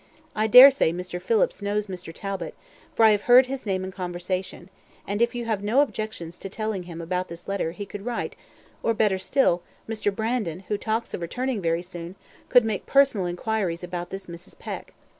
I dare say Mr. Phillips knows Mr. Talbot, for I have heard his name in conversation; and if you have no objections to telling him about this letter, he could write or, better still, Mr. Brandon, who talks of returning very soon, could make personal inquiries about this Mrs. Peck.